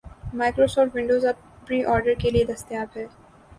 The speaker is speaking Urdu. مائیکروسافٹ ونڈوز اب پری آرڈر کے لیے دستیاب ہے